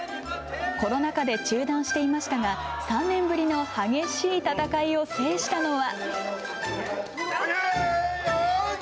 コロナ禍で中断していましたが、３年ぶりの激しい戦いを制したのは。